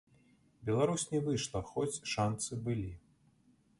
Беларусь не выйшла, хоць шанцы былі.